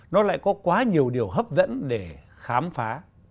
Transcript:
nó lại có quá nhiều điều hấp dẫn để khám phá